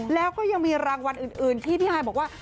แล้วก็ยังมีรางวัลอื่นที่พี่ฮายบอกว่า